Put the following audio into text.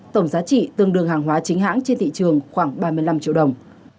tổng giá trị tương đương hàng hóa chính hãng trên thị trường khoảng ba mươi năm triệu đồng